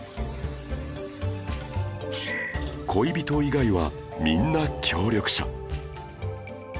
恋人以外はみんな協力者